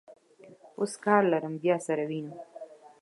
اوس کار لرم، بیا سره وینو.